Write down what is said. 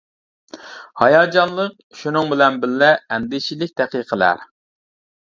ھاياجانلىق، شۇنىڭ بىلەن بىللە، ئەندىشىلىك دەقىقىلەر.